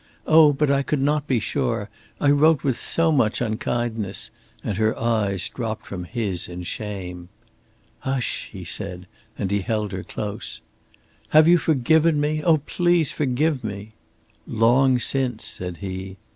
"Oh, but I could not be sure! I wrote with so much unkindness," and her eyes dropped from his in shame. "Hush!" he said, and he held her close. "Have you forgiven me? Oh, please forgive me!" "Long since," said he.